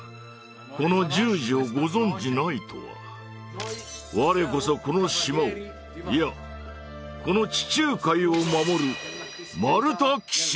この十字をご存じないとは我こそこの島をいやこの地中海を守る